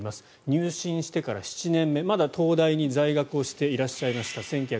入信してから７年目まだ東大に在学していらっしゃいました。